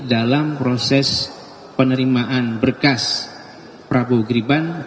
dalam proses penerimaan berkas prabowo giriban